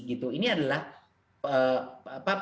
ini adalah perkembangan